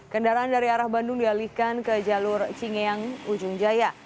kendaraan dari arah bandung dialihkan ke jalur cingeyang ujung jaya